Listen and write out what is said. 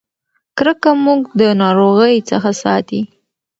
کرکه موږ د ناروغۍ څخه ساتي.